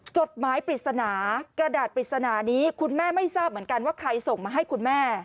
จดหมายปริศนากระดาษปริศนานี้คุณแม่ไม่ทราบเหมือนกันว่าใครส่งมาให้คุณแม่